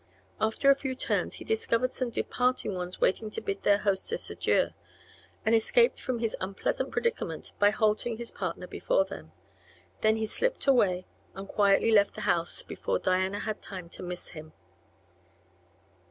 After a few turns he discovered some departing ones waiting to bid their hostess adieu, and escaped from his unpleasant predicament by halting his partner before them. Then he slipped away and quietly left the house before Diana had time to miss him.